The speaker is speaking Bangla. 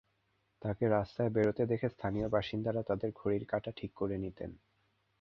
তাঁকে রাস্তায় বেরোতে দেখে স্থানীয় বাসিন্দারা তাঁদের ঘড়ির কাঁটা ঠিক করে নিতেন।